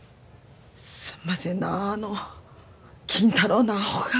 すんませんなあの金太郎のアホが。